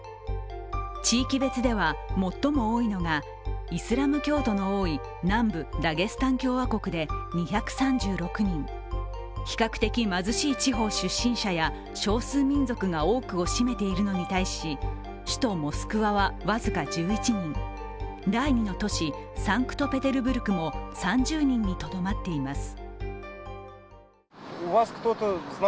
地域別では最も多いのがイスラム教徒の多い南部ダゲスタン共和国で２３６人、比較的貧しい地方出身者や少数民族を多く占めているのに対し首都モスクワは僅か１１人、第２の都市サンクトペテルブルクも３０人にとどまっています。